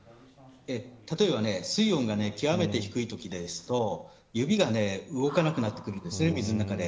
例えば水温が極めて低いときですと指が動かなくなってくるんです水の中で。